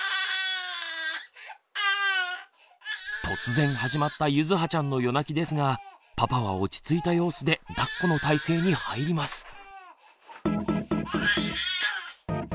突然始まったゆずはちゃんの夜泣きですがパパは落ち着いた様子でだっこの態勢に入ります。